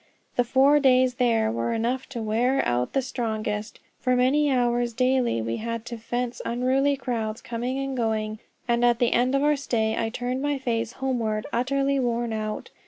The four days there were enough to wear out the strongest; for many hours daily we had to face unruly crowds coming and going; and at the end of our stay I turned my face homeward utterly worn out.